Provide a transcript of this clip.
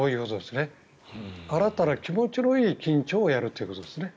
新たに気持ちのいい緊張をやるということですね。